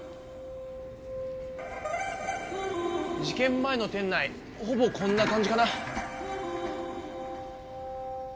事件前の店内ほぼこんな感じかな。